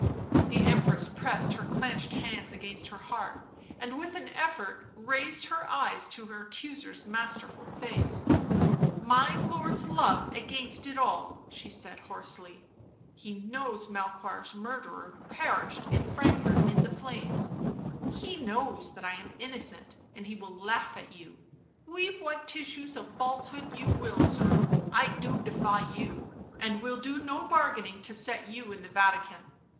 The Empress pressed her clenched hands against her heart and, with an effort, raised her eyes to her accuser's masterful face. " My lord's love against it all," she said hoarsely. u He knows Melchoir' s murderer perished in Frankfort in the flames, he knows that I am innocent, and he will laugh at you — weave what tissue of falsehoods you will, sir, I do defy you, and will do no bargaining to set you in the Vatican."